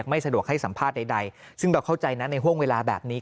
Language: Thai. ไม่สะดวกให้สัมภาษณ์ใดซึ่งเราเข้าใจนะในห่วงเวลาแบบนี้